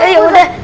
ya udah ustaz